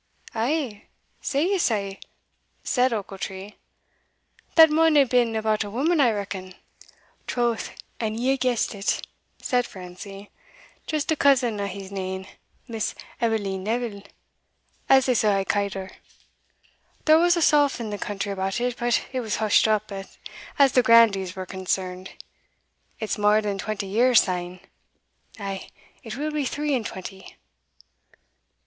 "Ay, say ye sae?" said Ochiltree; "that maun hae been about a woman, I reckon?" "Troth, and ye hae guessed it," said Francie "jeest a cusin o' his nain Miss Eveline Neville, as they suld hae ca'd her; there was a sough in the country about it, but it was hushed up, as the grandees were concerned; it's mair than twenty years syne ay, it will be three and twenty."